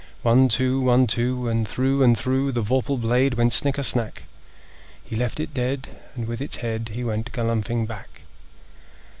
One, two! One, two! And through and through The vorpal blade went snicker snack! He left it dead, and with its head He went galumphing back.